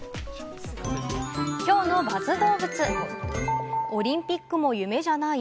きょうのＢＵＺＺどうぶつ、オリンピックも夢じゃない？